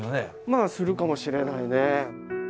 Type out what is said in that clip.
まあするかもしれないね。